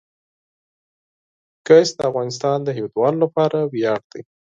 ګاز د افغانستان د هیوادوالو لپاره ویاړ دی.